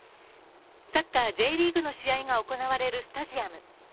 サッカーＪリーグの試合が行われるスタジアム。